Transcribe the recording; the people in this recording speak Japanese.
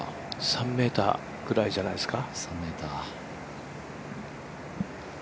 ３ｍぐらいじゃないですか。